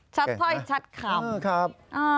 ชัดพ่อยชัดคำนะครับ